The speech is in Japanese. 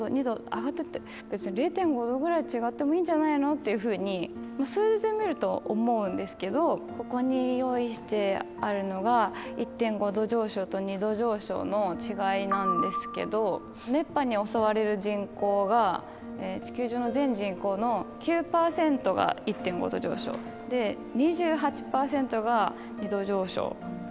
上がってって別に０．５℃ぐらい違ってもいいんじゃないの？っていうふうに数字で見ると思うんですけどここに用意してあるのが１．５℃上昇と２．０℃上昇の違いなんですけど熱波に襲われる人口が地球上の全人口の９％が１．５℃上昇２８％が２．０℃上昇２．０